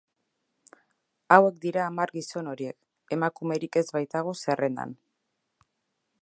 Hauek dira hamar gizon horiek, emakumerik ez baitago zerrendan.